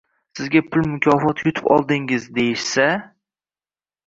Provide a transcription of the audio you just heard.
Sizga «pul mukofoti yutib oldingiz», deyishsa...